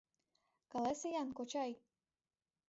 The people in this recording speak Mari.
Каласе-ян, кочай?!